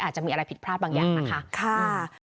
อาจจะมีอะไรผิดพลาดบางอย่างนะคะ